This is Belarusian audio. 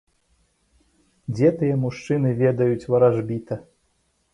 Дзе тыя мужчыны ведаюць варажбіта!